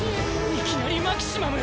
いきなりマキシマム！